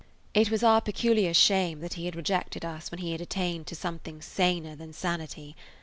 It was our peculiar shame that he had rejected us when he had attained to something saner than sanity.